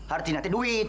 artinya itu duit